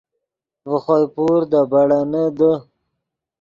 ڤے خوئے پور دے بیڑینے دے